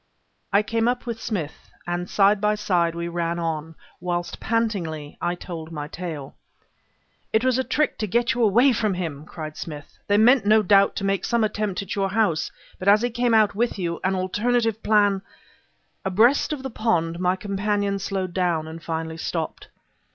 I came up with Smith, and side by side we ran on, whilst pantingly, I told my tale. "It was a trick to get you away from him!" cried Smith. "They meant no doubt to make some attempt at your house, but as he came out with you, an alternative plan " Abreast of the pond, my companion slowed down, and finally stopped.